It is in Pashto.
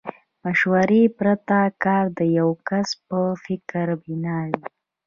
مشورې پرته کار د يوه کس په فکر بنا وي.